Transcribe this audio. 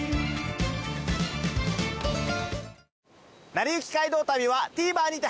『なりゆき街道旅』はＴＶｅｒにて配信中です。